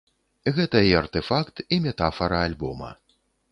Гэта і артэфакт, і метафара альбома.